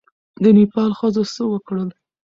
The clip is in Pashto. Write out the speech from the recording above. د نېپال ښځو څه وکړل؟